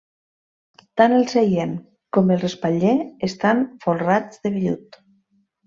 Tant el seient com el respatller estan folrats de vellut.